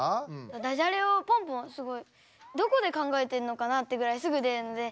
ダジャレをポンポンすごいどこで考えてるのかなってぐらいすぐ出るのでお。